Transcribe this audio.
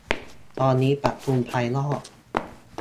ตอนนี้ปรับปรุงภายนอก